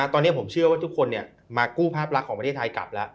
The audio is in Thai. ตอนนี้ผมเชื่อว่าทุกคนมากู้ภาพลักษณ์ของประเทศไทยกลับแล้ว